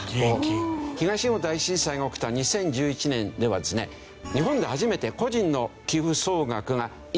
東日本大震災が起きた２０１１年ではですね日本で初めて個人の寄付総額が１兆円を超えたんですよ。